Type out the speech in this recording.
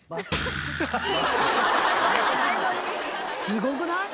すごくない？